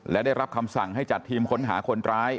และได้รับคำสั่งให้จัดทีมค้นหาคนร้าย